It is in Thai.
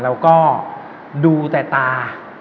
เราก็ดูแต่ตา